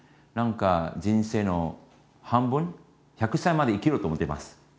何か人生の半分１００歳まで生きると思っています。